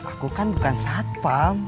aku kan bukan satpam